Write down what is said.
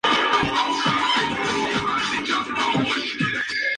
Todas escritas por Álvaro Torres.